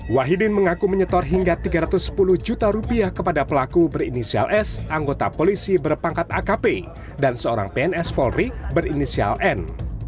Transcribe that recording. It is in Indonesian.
wahidin mengaku menyetor hingga tiga ratus sepuluh juta rupiah kepada pelaku berinisial s anggota polisi berpangkat akp dan seorang pns polri berinisial n